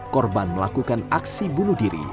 korban melakukan aksi bunuh diri